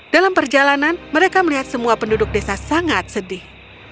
dalam perjalanan mereka melihat semua penduduk desa sangat sedih